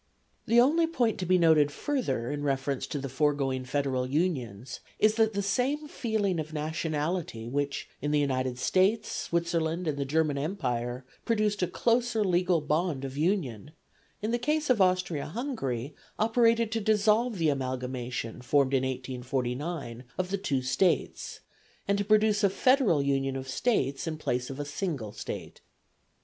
The only point to be noted further in reference to the foregoing federal unions, is that the same feeling of nationality which, in the United States, Switzerland, and the German Empire, produced a closer legal bond of union, in the case of Austria Hungary operated to dissolve the amalgamation formed in 1849 of the two States, and to produce a federal union of States in place of a single State.